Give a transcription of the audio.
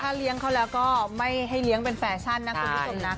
เลี้ยงเขาแล้วก็ไม่ให้เลี้ยงเป็นแฟชั่นนะคุณผู้ชมนะ